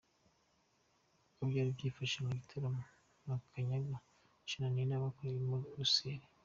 Uko byari byifashe mu gitaramo Makanyaga, Charly na Nina bakoreye i Bruxelles